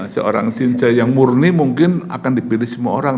seorang cincai yang murni mungkin akan dipilih semua orang